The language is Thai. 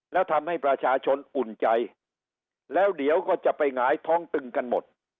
แล้วทำให้ประชาชนอุ่นใจแล้วเดี๋ยวก็จะไปหงายท้องตึงกันหมด